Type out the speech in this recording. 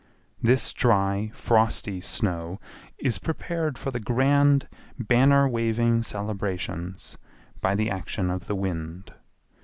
This dry frosty snow is prepared for the grand banner waving celebrations by the action of the wind.